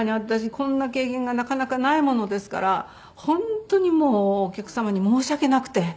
こんな経験がなかなかないものですから本当にもうお客様に申し訳なくて。